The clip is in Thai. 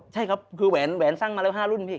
ใช่ครับคือแหวนสร้างมาก็๕รุ่น